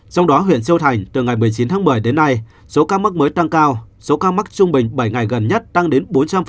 trong đó huyện châu thành từ ngày một mươi chín tháng một mươi đến nay số ca mắc mới tăng cao số ca mắc trung bình bảy ngày gần nhất tăng đến bốn trăm linh